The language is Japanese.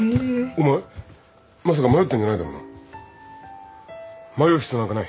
お前まさか迷ってんじゃないだろうな。